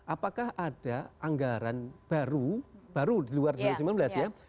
apakah ada anggaran baru baru di luar dua ribu sembilan belas ya